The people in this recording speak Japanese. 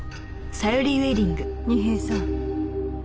二瓶さん。